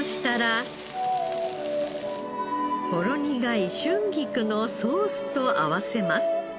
ほろ苦い春菊のソースと合わせます。